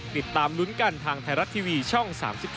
ติดตามลุ้นกันทางไทยรัฐทีวีช่อง๓๒